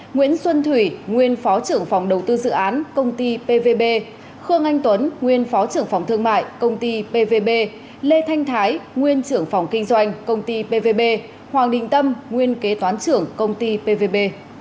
nguyễn xuân thủy nguyên phó trưởng phòng đầu tư dự án công ty pvb khương anh tuấn nguyên phó trưởng phòng thương mại công ty pvb lê thanh thái nguyên trưởng phòng kinh doanh công ty pvb hoàng đình tâm nguyên kế toán trưởng công ty pvb